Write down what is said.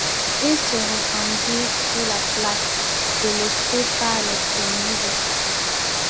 Ils se répandirent sur la place, délaissée par les premiers occupants.